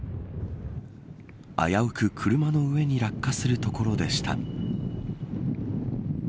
危うく車の上に落下するところでした。